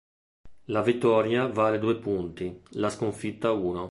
La vittoria vale due punti la sconfitta uno.